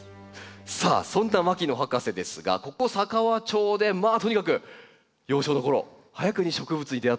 さあそんな牧野博士ですがここ佐川町でまあとにかく幼少のころ早くに植物に出会ったわけですよね。